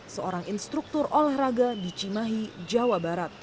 seorang instruktur olahraga di cimahi jawa barat